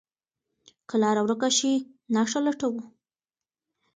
که لاره ورکه شي، نښه لټو.